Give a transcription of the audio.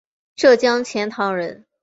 浙江钱塘人。